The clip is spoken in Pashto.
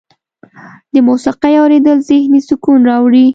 د موسیقۍ اوریدل ذهني سکون راوړي.